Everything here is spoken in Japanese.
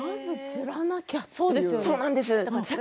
そうなんです。